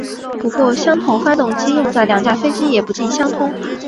不过相同发动机用在两架飞机也不尽相通。